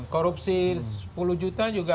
korupsi sepuluh juta juga ada yang sama